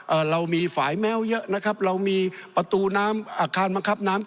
เรามีฝ่ายแม้วเยอะนะครับเรามีประตูน้ำอาคารบังคับน้ำ